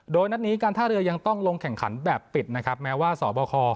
โดยนัดนี้การท่าเรือยังต้องลงแข่งขันแบบปิดนะครับแม้ว่าสบค